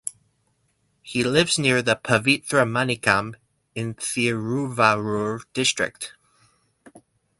He lives near the Pavithra Manickam in Thiruvarur District.